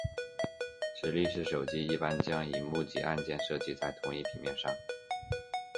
直立式手机一般将萤幕及按键设计成在同一平面上。